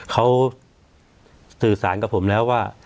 เขาสื่อสารกับผมแล้วว่า